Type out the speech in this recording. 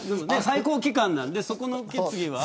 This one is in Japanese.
最高機関なんでそこの決議は。